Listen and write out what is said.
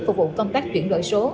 phục vụ công tác chuyển đổi số